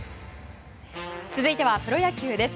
続いてはプロ野球です。